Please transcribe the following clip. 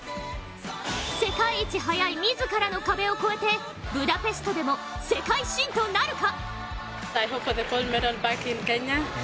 世界一速い自らの壁を超えて、ブダペストでも世界新となるか。